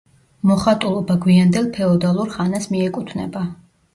მოხატულობა გვიანდელ ფეოდალურ ხანას მიეკუთვნება.